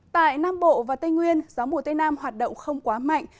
tại nam bộ và tây nguyên gió mùa tây nam hoạt động không quá mạnh